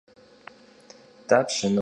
Dapşe nomêrım têxuar?